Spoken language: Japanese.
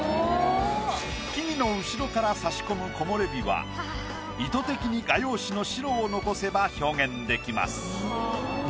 木々の後ろからさし込む木漏れ日は意図的に画用紙の白を残せば表現できます。